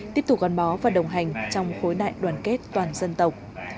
tiếp tục gắn bó và đồng hành trong khối đại đoàn kết toàn dân tộc